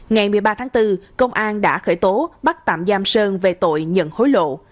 ngày một mươi ba tháng bốn công an đã khởi tố bắt tạm giam sơn về tội nhận hối lộ